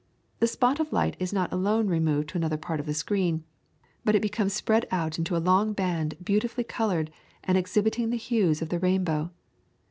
The spot of light is not alone removed to another part of the screen, but it becomes spread out into a long band beautifully coloured, and exhibiting the hues of the rainbow.